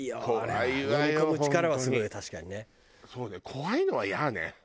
怖いのはイヤね。